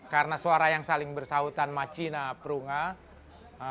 karena suara yang saling bersahutan macina perungan